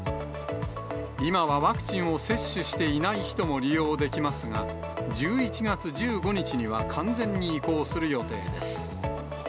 今はワクチンを接種していない人も利用できますが、１１月１５日には完全に移行する予定です。